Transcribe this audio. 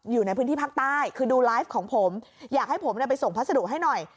อยู่ในพื้นที่ภาคใต้คือดูไลฟ์ของผมอยากให้ผมไปส่งพัสดุให้หน่อย